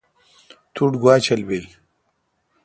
تو ٹھ گوا چل بیل